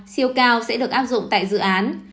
siêu cao sẽ được áp dụng tại dự án